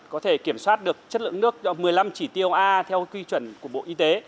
có thể kiểm soát được chất lượng nước một mươi năm chỉ tiêu a theo quy chuẩn của bộ y tế